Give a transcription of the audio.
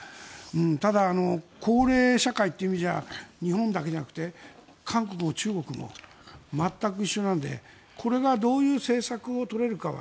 ただ、高齢社会という意味じゃ日本だけじゃなくて韓国も中国も全く一緒なのでこれがどういう政策を取れるかは